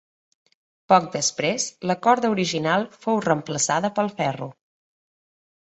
Poc després, la corda original fou reemplaçada pel ferro.